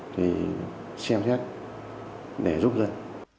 thì xem xét để giúp dân